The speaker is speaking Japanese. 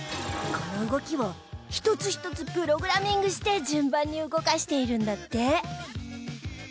この動きを１つ１つプログラミングして順番に動かしているんだって。